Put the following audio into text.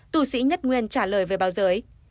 tù sĩ nhất nguyên trả lời về báo giới